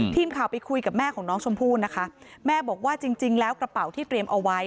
ทีมข่าวไปคุยกับแม่ของน้องชมพู่นะคะแม่บอกว่าจริงจริงแล้วกระเป๋าที่เตรียมเอาไว้